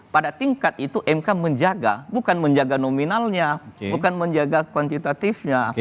pada tingkat itu mk menjaga bukan menjaga nominalnya bukan menjaga kuantitatifnya